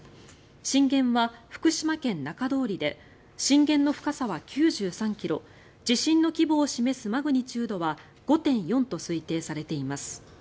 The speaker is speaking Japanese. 震源は福島県中通りで震源の深さは９３ｋｍ地震の規模を示すマグニチュードは５．４と推定されています。